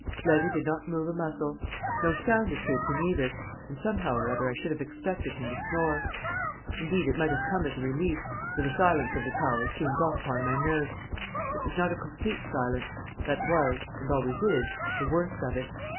Levy did not move a muscle. No sound escaped him either, and somehow or other I should have expected him to snore; indeed, it might have come as a relief, for the silence of the tower soon got upon my nerves. It was not a complete silence; that was (and always is) the worst of it.